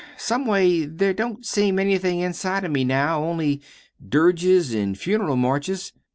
Some way, there don't seem anything inside of me now only dirges an' funeral marches.